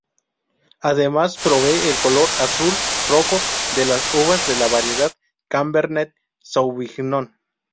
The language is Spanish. Además provee el color azul-rojo de las uvas de la variedad Cabernet Sauvignon.